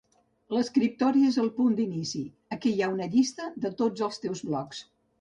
L’escriptori és el punt d’inici, aquí hi ha una llista de tots els teus blogs.